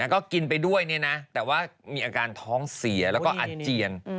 ก็กินไปด้วยแต่ว่ามีอาการท้องเสียแล้วก็อาเจียน